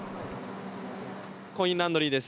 コインランドリーです。